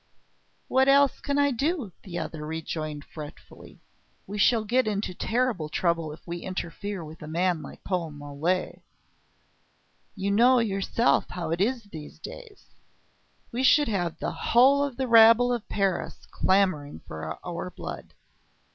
"What else can I do?" the other rejoined fretfully. "We shall get into terrible trouble if we interfere with a man like Paul Mole. You know yourself how it is these days. We should have the whole of the rabble of Paris clamouring for our blood.